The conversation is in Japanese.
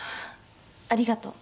ありがとう。